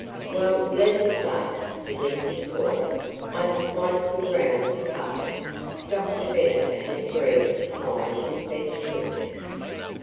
"Well, let us start," suggested Cora. "I have quite some ground to cover. Dr. Bennet has agreed to find and fetch Clip."